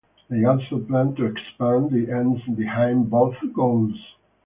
They also plan to expand the ends behind both goals.